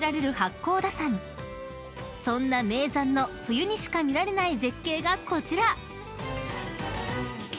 ［そんな名山の冬にしか見られない絶景がこちら！］